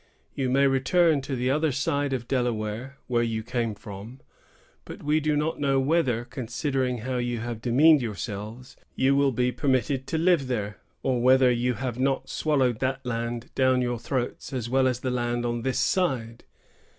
You may return to the other side of Delaware, where you came from; but we do not know whether, considering how you have demeaned yourselves, you will be permitted to live there; or whether you have not swallowed that land down your throats as well as the land on this side.